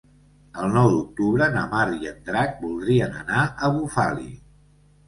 El nou d'octubre na Mar i en Drac voldrien anar a Bufali.